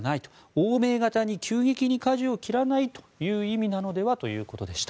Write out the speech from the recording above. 欧米型に急激にかじを切らないという意味なのではということでした。